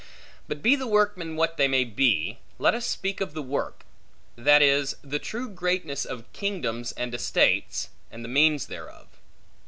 But be the workmen what they may be, let us speak of the work; that is, the true greatness of kingdoms and estates, and the means thereof.